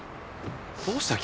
どうした？